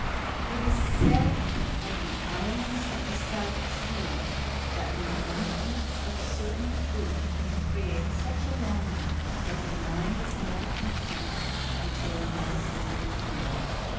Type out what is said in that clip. It is said of the Islands of the South Seas that when one eats of certain fruit it creates such a longing that the mind is never content until another visit is made.